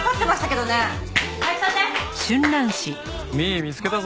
美依見つけたぞ。